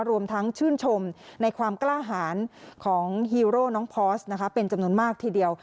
รวมทั้งชื่นชมในความกล้าหารของฮีโร่น้องพอสเป็นจำนวนมากทีเดียว